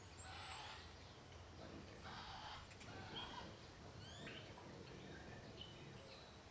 Baliteke defizita murrizteko egutegia ere hizpide hartzea.